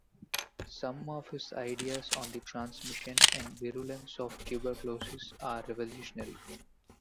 Some of his ideas on the transmission and virulence of tuberculosis are revolutionary.